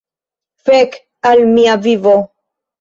Fek al mia vivo!